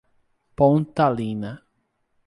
Pontalina